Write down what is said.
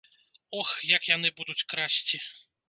Ох, як яны будуць красці!